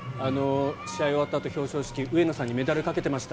試合が終わったあと表彰式で上野さんにメダルをかけていました。